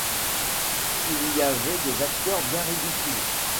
Il y avait des acteurs bien ridicules.